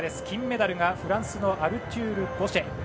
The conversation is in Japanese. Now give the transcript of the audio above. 金メダルがフランスのアルチュール・ボシェ。